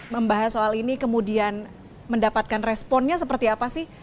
membahas soal ini kemudian mendapatkan responnya seperti apa sih